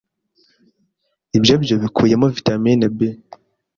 ibyo byo bikubiyemo vitamini B